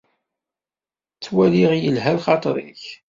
Ttwaliɣ yelha lxaṭer-ik.